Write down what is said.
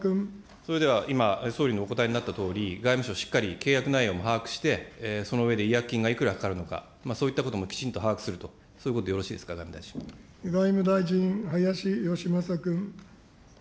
それでは今、総理のお答えになったとおり、外務省、しっかり契約内容も把握して、その上で違約金がいくらかかるのか、そういったこともきちんと把握すると、そういうことでよろしいで外務大臣、林芳正君。